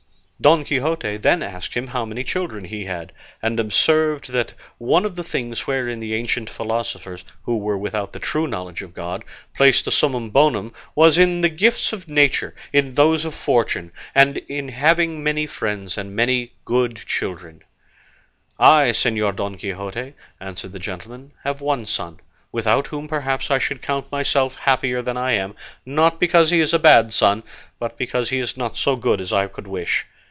Don Quixote then asked him how many children he had, and observed that one of the things wherein the ancient philosophers, who were without the true knowledge of God, placed the summum bonum was in the gifts of nature, in those of fortune, in having many friends, and many and good children. "I, Señor Don Quixote," answered the gentleman, "have one son, without whom, perhaps, I should count myself happier than I am, not because he is a bad son, but because he is not so good as I could wish.